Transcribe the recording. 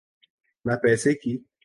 نہ پیسے کی۔